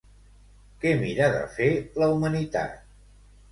Què mira de fer la humanitat?